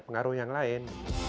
saya pengaruh yang lain